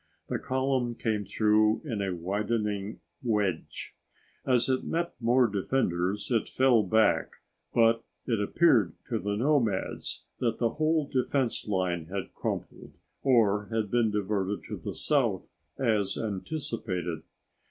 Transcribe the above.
The column came through in a widening wedge. As it met more defenders it fell back, but it appeared to the nomads that the whole defense line had crumbled or had been diverted to the south, as anticipated.